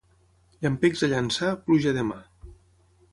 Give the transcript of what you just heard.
Llampecs a Llançà, pluja demà.